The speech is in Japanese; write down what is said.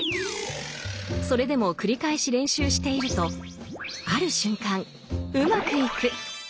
それでも繰り返し練習しているとある瞬間うまくいく。